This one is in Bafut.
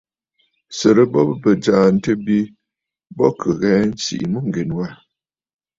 Sɨrɨ bo bɨ̀ bɨ̀jààntə̂ bi bɔ kì ghɛ̀ɛ a nsìʼi mûŋgèn wâ.